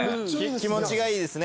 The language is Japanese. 気持ちがいいですね。